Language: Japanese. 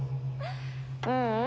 ううん。